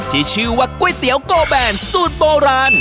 ที่ชื่อว่าก๋วยเตี๋ยวโกแบนสูตรโบราณ